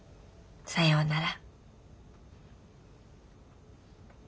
さようなら。